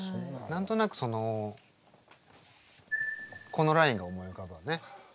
何となくそのこのラインが思い浮かぶわね。